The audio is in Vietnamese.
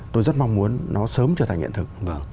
tôi rất mong muốn nó sớm trở thành hiện thực